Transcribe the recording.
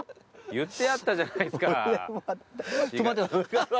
言ってあったじゃないっすか。